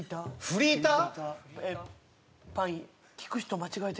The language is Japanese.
フリーター？